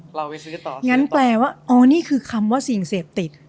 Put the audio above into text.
อย่างนั้นแปลว่านี่คือคำว่าสิ่งเสร็จติด